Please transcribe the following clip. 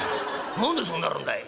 何でそうなるんだい」。